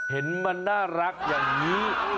เห็นมันน่ารักอย่างนี้